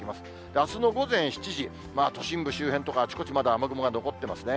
あすの午前７時、都心部周辺とかあちこちまだ雨雲が残ってますね。